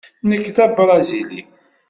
Nekk d abṛazili.